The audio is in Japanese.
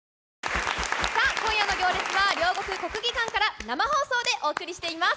さあ、今夜の行列は、両国・国技館から生放送でお送りしています。